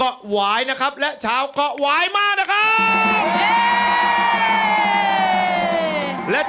ออกออกออกออกออกออกออกออกออกออก